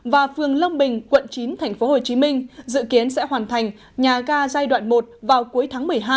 và phường long bình quận chín tp hcm dự kiến sẽ hoàn thành nhà ga giai đoạn một vào cuối tháng một mươi hai